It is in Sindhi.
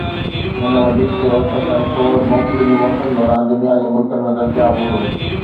هن وڌيڪ چيو ته ڪنسول موڪلن جي موسم دوران دنيا جي ملڪن ۾ دستياب هوندو